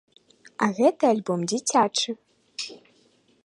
А гэты альбом дзіцячы.